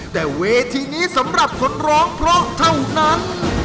แต่เวทีนี้สำหรับคนร้องเพราะเท่านั้น